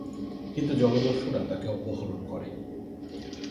কিন্তু জলদস্যুরা তাকে অপহরণ করে।